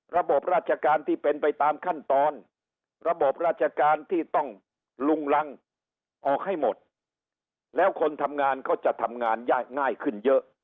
ระบบราชการที่เป็นไปตามขั้นตอนระบบราชการที่ต้องลุงรังออกให้หมดแล้วคนทำงานก็จะทำงานยากง่ายขึ้นเยอะ